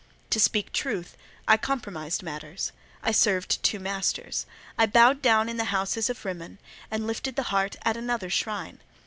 To speak truth, I compromised matters; I served two masters: I bowed down in the houses of Rimmon, and lifted the heart at another shrine.